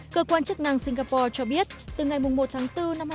cơ quan chức năng singapore cho biết từ ngày một tháng bốn năm hai nghìn một mươi chín